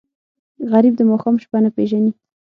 غریب د ماښام شپه نه پېژني